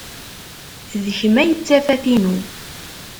D kemm ay d tafat-inu.